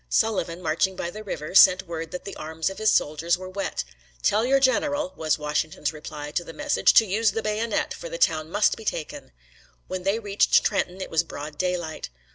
Sullivan, marching by the river, sent word that the arms of his soldiers were wet. "Tell your general," was Washington's reply to the message, "to use the bayonet, for the town must be taken." When they reached Trenton it was broad daylight.